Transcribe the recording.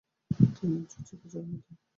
তিনি জোচিকে জন্ম দেন।